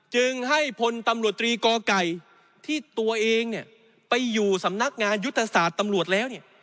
จึงให้พลตำรวจตรีกอไก่ที่ตัวเองเนี่ยไปอยู่สำนักงานยุทธศาสตร์ตำรวจแล้วเนี่ย